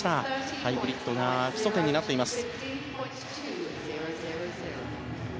ハイブリッドが基礎点となっています。